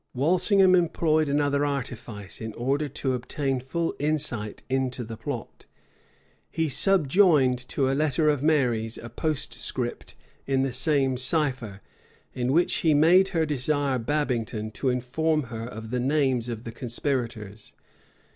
Walsingham employed another artifice, in order to obtain full insight into the plot: he subjoined to a letter of Mary's a postscript in the same cipher; in which he made her desire Babington to inform her of the names of the conspirators.